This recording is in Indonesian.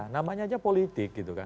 namanya aja politik gitu kan